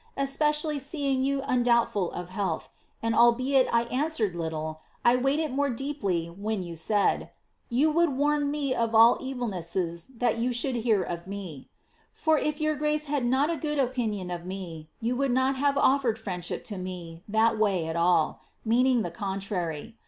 especially seeing jroo undoubtful of health, and albeit I answered little, I weighed it more deeper when you said^ — ^*yoii would warn me of all evilnesset that yoa should hear of me,* for if your grace had not a good opinion of me, jou would not have olTereil friendship to me that way at all, — meaning the con trary.